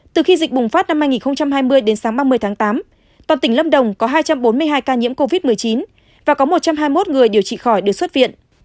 từ khi dịch bùng phát năm hai nghìn hai mươi đến sáng ba mươi tháng tám toàn tỉnh lâm đồng có hai trăm bốn mươi hai ca nhiễm covid một mươi chín và có một trăm hai mươi một người điều trị khỏi được xuất viện